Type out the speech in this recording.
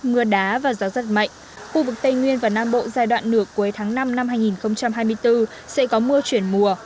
mưa đá và gió rất mạnh khu vực tây nguyên và nam bộ giai đoạn nửa cuối tháng năm năm hai nghìn hai mươi bốn sẽ có mưa chuyển mùa